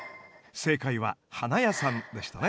正解は花屋さんでしたね。